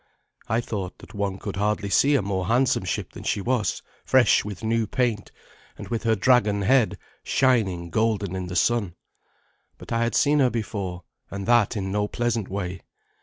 I thought that one could hardly see a more handsome ship than she was, fresh with new paint, and with her dragon head shining golden in the sun. But I had seen her before, and that in no pleasant way.